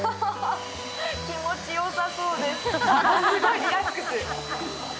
気持ちよさそうです。